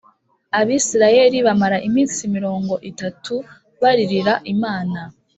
Abisirayeli bamara iminsi mirongo itatu bariririra Imana